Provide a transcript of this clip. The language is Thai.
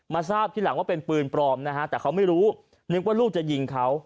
ทราบทีหลังว่าเป็นปืนปลอมนะฮะแต่เขาไม่รู้นึกว่าลูกจะยิงเขา